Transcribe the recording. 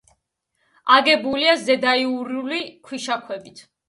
აგებულია ზედაიურული ქვიშაქვებით.